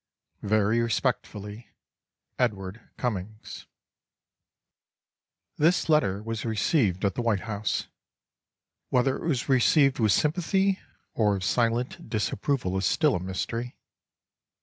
Very respectfully, EDWARD CUMMINGS This letter was received at the White House. Whether it was received with sympathy or with silent disapproval is still a mystery.